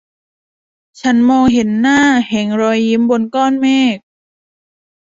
ฉันมองเห็นหน้าแห่งรอยยิ้มบนก้อนเมฆ